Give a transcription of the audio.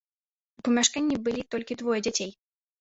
У памяшканні былі толькі двое дзяцей.